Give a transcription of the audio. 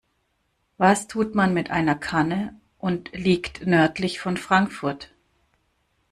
Was tut man mit einer Kanne und liegt nördlich von Frankfurt?